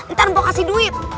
ntar npo kasih duit